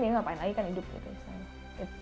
jadi ngapain lagi kan hidup gitu misalnya